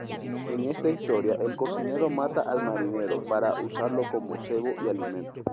En esta historia, el cocinero mata al marinero para usarlo como cebo y alimento.